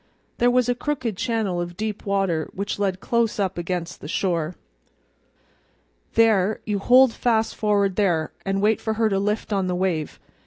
There was a crooked channel of deep water which led close up against the shore. "There, you hold fast for'ard there, an' wait for her to lift on the wave.